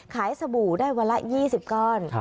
สบู่ได้วันละ๒๐ก้อน